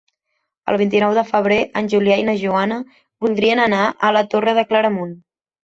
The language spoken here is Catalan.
El vint-i-nou de febrer en Julià i na Joana voldrien anar a la Torre de Claramunt.